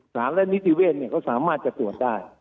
และนิติเวศเขาสามารถจะตรวจได้